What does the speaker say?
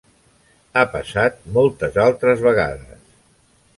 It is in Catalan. Ha passat moltes altres vegades.